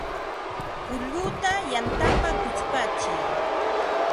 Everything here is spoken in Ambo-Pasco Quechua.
Kulluta yantapa kuchpatsiy